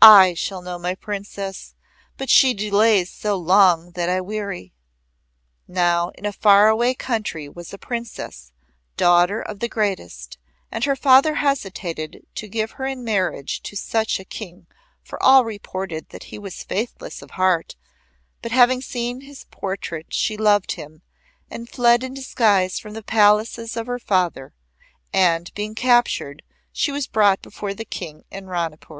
I shall know my Princess, but she delays so long that I weary." Now in a far away country was a Princess, daughter of the Greatest, and her Father hesitated to give her in marriage to such a King for all reported that he was faithless of heart, but having seen his portrait she loved him and fled in disguise from the palaces of her Father, and being captured she was brought before the King in Ranipur.